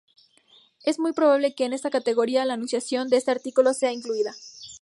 Es muy probable que en esta categoría "La anunciación" de este artículo sea incluida.